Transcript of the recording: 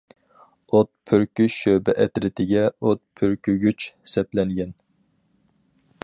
ئوت پۈركۈش شۆبە ئەترىتىگە ئوت پۈركۈگۈچ سەپلەنگەن.